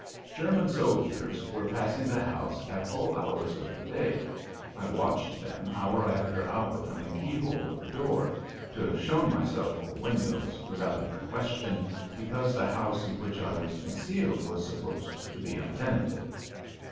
German soldiers were passing the house at all hours of the day. I watched them hour after hour from the keyhole of the door to have shown myself at the window was out of the question because the house in which I was concealed was supposed to be untenanted.